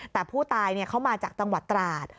แต่ผู้ตายเขามาจากจังหวัดตราด